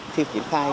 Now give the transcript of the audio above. khi chiến khai